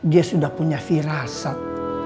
dia sudah punya firasat